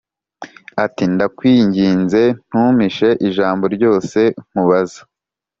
ati “Ndakwinginze, ntumpishe ijambo ryose nkubaza.”